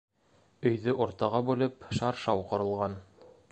Өйҙө уртаға бүлеп, шаршау ҡоролған.